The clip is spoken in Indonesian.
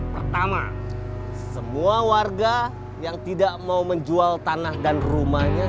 pertama semua warga yang tidak mau menjual tanah dan rumahnya